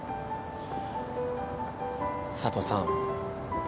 佐都さん。